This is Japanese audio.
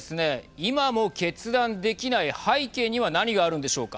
今も決断できない背景には何があるんでしょうか。